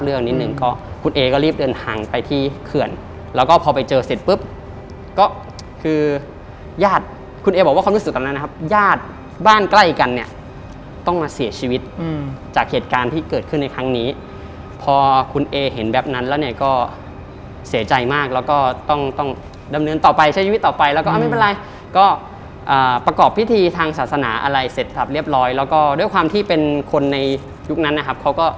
เรื่องนิดหนึ่งก็คุณเอ๋ก็รีบเดินทางไปที่เขื่อนแล้วก็พอไปเจอเสร็จปุ๊บก็คือญาติคุณเอ๋บอกว่าความรู้สึกตามนั้นนะครับญาติบ้านใกล้กันเนี้ยต้องมาเสียชีวิตอืมจากเหตุการณ์ที่เกิดขึ้นในครั้งนี้พอคุณเอ๋เห็นแบบนั้นแล้วเนี้ยก็เสียใจมากแล้วก็ต้องต้องดำเนินต่อไปใช้ชีวิตต่อไปแล้วก็อ่า